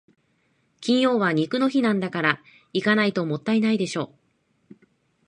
金曜は肉の日なんだから、行かないともったいないでしょ。